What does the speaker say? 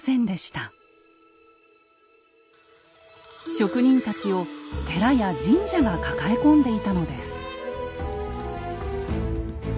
職人たちを寺や神社が抱え込んでいたのです。